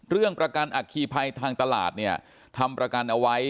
เรื่องประกันอัคคีภัยทางตลาดเนี่ยทำประกันเอาไว้